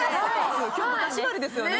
今日豚縛りですよね。